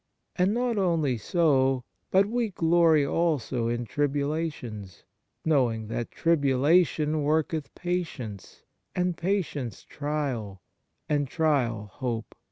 And not only so, but we glory also in tribulations, knowing that tribula tion worketh patience, and patience trial, and trial hope.